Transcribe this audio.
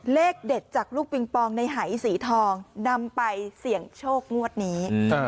เลขเด็ดจากลูกปิงปองในหายสีทองนำไปเสี่ยงโชคงวดนี้